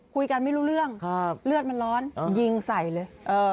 คุยกันไม่รู้เรื่องเลือดมันร้อนยิงใส่เลย